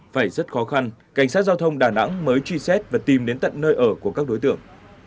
phải rất khó khăn cảnh sát giao thông đà nẵng mới truy xét và tìm đến tận nơi ở của các đối tượng